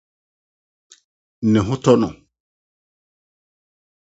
Ne ho tɔ no.